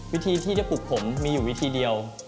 วิธีที่จะปลุกผมมีอยู่วิธีเดียว